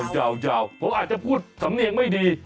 เจ้าผมอาจจะพูดสำเนียงไม่ดี